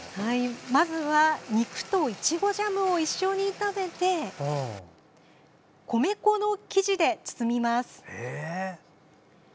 まずは肉とイチゴジャムを一緒に炒めて米粉の生地で包みます。